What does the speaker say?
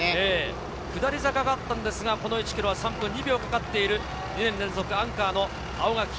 下り坂がありましたが、この１ｋｍは３分２秒かかっている２年連続アンカーの青柿響。